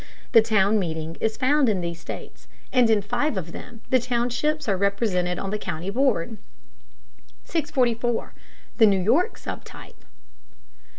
The town meeting is found in these states, and in five of them the townships are represented on the county board. 644. THE NEW YORK SUB TYPE.